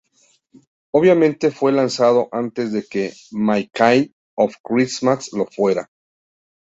Obviamente, fue lanzado antes de que My Kind of Christmas lo fuera.